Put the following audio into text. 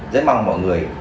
rất mong mọi người